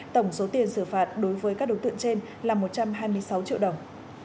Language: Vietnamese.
tổng số tiền xử phạt đối với các đối tượng trên là một trăm hai mươi sáu triệu đồng